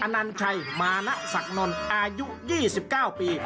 อนันไชมานะสักนนอายุ๒๙ปี